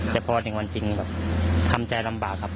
แต่เพราะว่าในวันจริงทำใจลำบากครับ